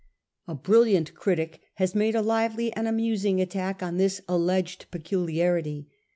A brilliant critic has made a lively and amusing attack on this alleged peculiarity.